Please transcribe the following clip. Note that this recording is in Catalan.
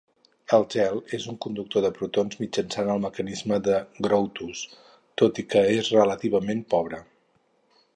El gel és un conductor de protons mitjançant el mecanisme de Grotthuss, tot i que és relativament pobre.